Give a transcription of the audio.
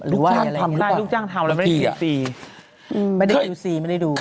ลูกจ้างทำแล้วไม่ได้ดูสีไม่ได้ดูสี